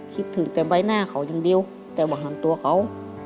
คิดถึงแต่ใบหน้าเขาอย่างเดียวแต่ว่าหันตัวเขา